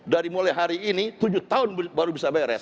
dari mulai hari ini tujuh tahun baru bisa beres